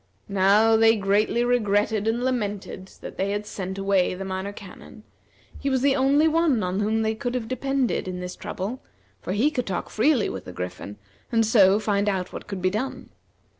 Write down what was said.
Now they greatly regretted and lamented that they had sent away the Minor Canon; he was the only one on whom they could have depended in this trouble, for he could talk freely with the Griffin, and so find out what could be done.